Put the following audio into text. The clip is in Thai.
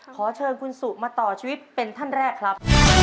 ขอเชิญคุณสุมาต่อชีวิตเป็นท่านแรกครับ